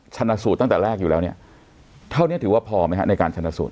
ชนะสูตรตั้งแต่แรกอยู่แล้วเนี่ยเท่านี้ถือว่าพอไหมฮะในการชนะสูต